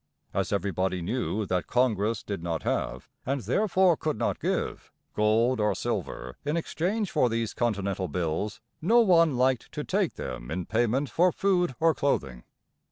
As everybody knew that Congress did not have, and therefore could not give, gold or silver in exchange for these "continental bills," no one liked to take them in payment for food or clothing.